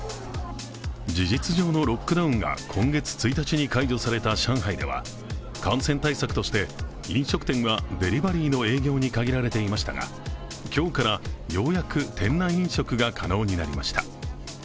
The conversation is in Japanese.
事実上のロックダウンが今月１日に解除された上海では感染対策として、飲食店はデリバリーの営業に限られていましたが今日からようやく、店内飲食が可能になりました。